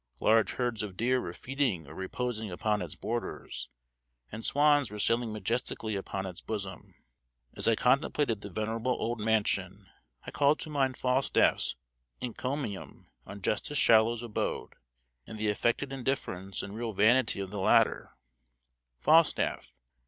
Large herds of deer were feeding or reposing upon its borders, and swans were sailing majestically upon its bosom. As I contemplated the venerable old mansion I called to mind Falstaff's encomium on Justice Shallow's abode, and the affected indifference and real vanity of the latter: "Falstaff.